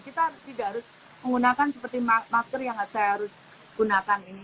kita tidak harus menggunakan seperti masker yang saya harus gunakan ini